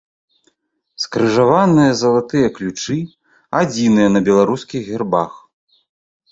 Скрыжаваныя залатыя ключы адзіныя на беларускіх гербах.